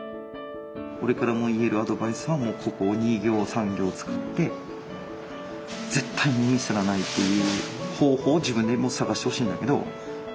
俺から言えるアドバイスはもうここ２行３行使って絶対にミスらないっていう方法を自分でも探してほしいんだけど。